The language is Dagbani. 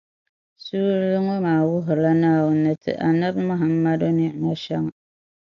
Suurili ŋɔ maa wuhirila Naawuni ni ti Annabi Muhammadu ni’ima shɛŋa.